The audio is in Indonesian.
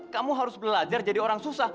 kamu harus belajar jadi orang susah